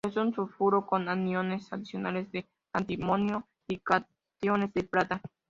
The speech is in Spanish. Es un sulfuro con aniones adicionales de antimonio y cationes de plata.